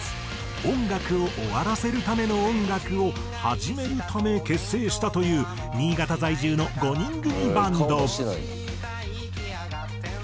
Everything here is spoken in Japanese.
音楽を終わらせるための音楽を始めるため結成したという新潟在住の５人組バンド。